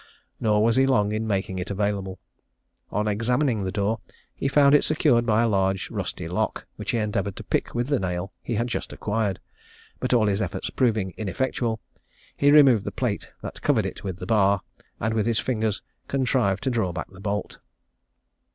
Nor was he long in making it available. On examining the door, he found it secured by a large rusty lock, which he endeavoured to pick with the nail he had just acquired: but all his efforts proving ineffectual, he removed the plate that covered it with the bar, and with his fingers contrived to draw back the bolt.